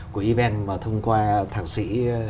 của event mà thông qua thảng sĩ